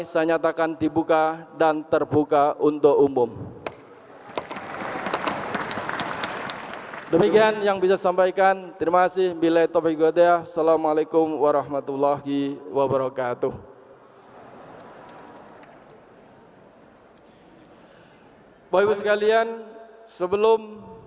saya nyatakan dibuka dan terbuka untuk umum